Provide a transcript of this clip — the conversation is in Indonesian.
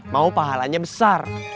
mau pahalanya besar